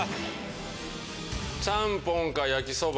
ちゃんぽんか焼きそば。